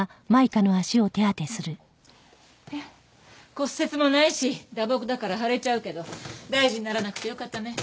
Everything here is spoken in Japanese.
骨折もないし打撲だから腫れちゃうけど大事にならなくてよかったね。